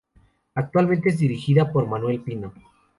Actualmente es dirigida por Manuel Pino.